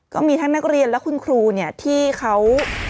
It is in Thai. ก็มีทั้งนักเรียนและคุณครูเนี่ยที่เขา